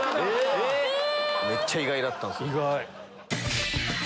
めっちゃ意外だったんすよ。